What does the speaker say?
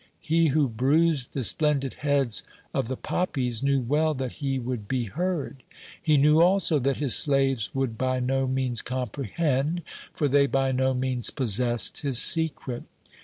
He who bruised the splendid heads of the poppies knew well that he would be heard; he knew also that his slaves would by no means comprehend, for they by no means possessed his secret.